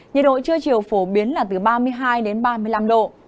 nhiệt độ trưa chiều phổ biến là từ ba mươi hai đến ba mươi năm độ